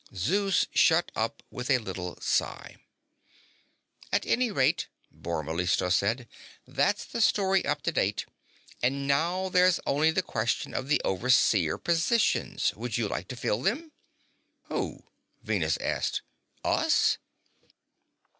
Zeus shut up with a little sigh. "At any rate," Bor Mellistos said, "that's the story up to date. And now there's only the question of the Overseer positions. Would you like to fill them?" "Who?" Venus asked. "_Us?